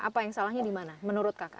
apa yang salahnya dimana menurut kaka